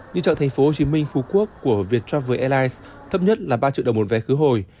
như trạng thành phố hồ chí minh phú quốc của việt travel airlines thấp nhất là ba triệu đồng một vé khứ hồi